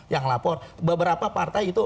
yang lapor beberapa partai itu